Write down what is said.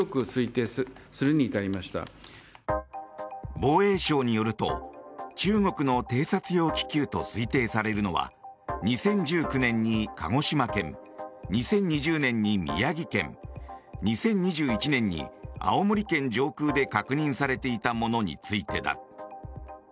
防衛省によると中国の偵察用気球と推定されるのは２０１９年に鹿児島県２０２０年に宮城県２０２１年に青森県上空で確認されていたものについてだ。